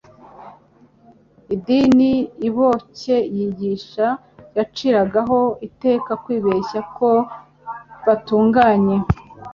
Idini iboncye yigishaga yaciragaho iteka kwibeshya ko batunganye.